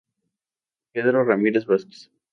Pedro Ramírez Vázquez.